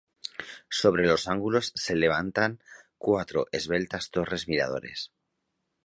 Sobre los ángulos se levantan cuatro esbeltas torres miradores.